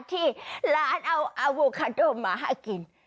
ที่หลานเอาอาโวคาโดมาให้กิน